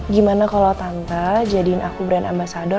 gimana kalau tante jadiin aku brand ambasador